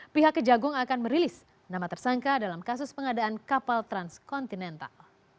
pihak kejagung akan merilis nama tersangka dalam kasus pengadaan kapal transkontinental